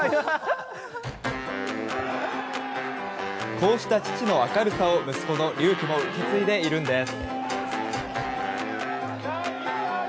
こうした父の明るさを息子の隆輝も受け継いでいるんです。